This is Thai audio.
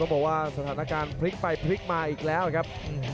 บอกว่าสถานการณ์พลิกไปพลิกมาอีกแล้วครับ